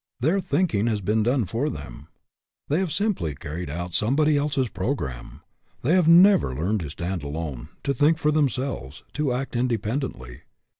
Their thinking has been done for them. They have simply carried out some body else's programme. They have never learned to stand alone, to think for themselves, to act independently.